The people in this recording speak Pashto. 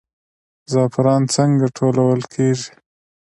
زعفران څنګه ټولول کیږي؟